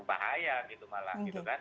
bahaya gitu malah